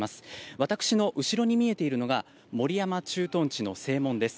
私の後ろに見えているのが守山駐屯地の正門です。